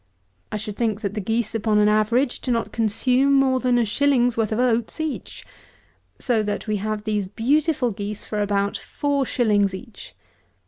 I should think that the geese, upon an average, do not consume more than a shilling's worth of oats each. So that we have these beautiful geese for about four shillings each.